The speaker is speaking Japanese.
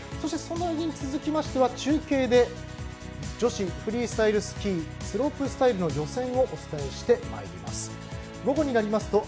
それに続きましては中継で女子フリースタイルスキースロープスタイルの予選をお伝えしてまいります。